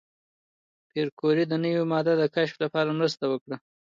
پېیر کوري د نوې ماده د کشف لپاره مرسته وکړه.